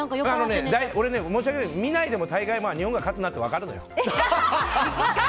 俺、申し訳ないけど見ないでも大概日本が勝つなって分かるんだよ。